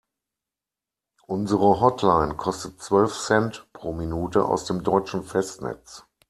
Unsere Hotline kostet zwölf Cent pro Minute aus dem deutschen Festnetz.